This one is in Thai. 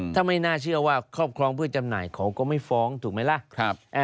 ถ้าไม่น่าเชื่อว่าครอบครองเพื่อจำหน่ายเขาก็ไม่ฟ้องถูกไหมล่ะ